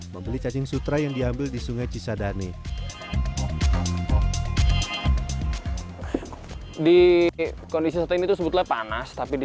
membeli cacing sutra yang diambil di sungai cisadani di kondisi setengah itu sebutlah panas tapi di